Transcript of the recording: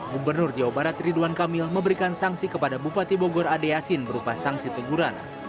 gubernur jawa barat ridwan kamil memberikan sanksi kepada bupati bogor ade yasin berupa sanksi teguran